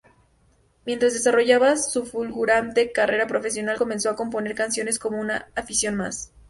Mientras desarrollaba su fulgurante carrera profesional, comenzó a componer canciones como una afición más.